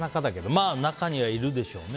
まあ中に入るでしょうね。